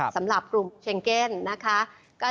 สำหรับกลุ่มเชงเก็น